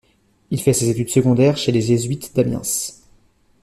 Il fait ses études secondaires chez les jésuites d’Amiens.